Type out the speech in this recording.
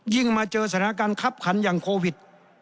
มาเจอสถานการณ์คับขันอย่างโควิด